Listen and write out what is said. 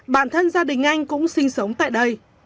bản thân gia đình anh cũng sinh sống tại đây